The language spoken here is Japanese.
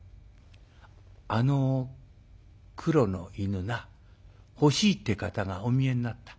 あの黒の犬な欲しいって方がお見えになった。